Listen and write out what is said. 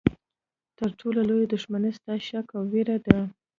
تر ټولو لویه دښمني ستا شک او ویره ده.